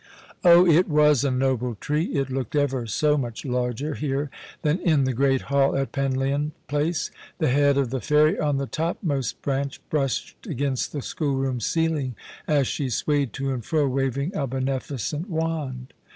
Oh, it was a noble tree ! It looked ever so much larger here than in the great hall at Penlyon Place. The head of the fairy on the topmost branch brushed against the schoolroom ceiling as she swayed to and fro, waving a beneficent wand.